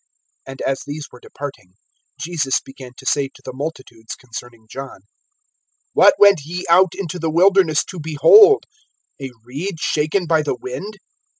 (7)And as these were departing, Jesus began to say to the multitudes concerning John: What went ye out into the wilderness to behold? A reed shaken by the wind?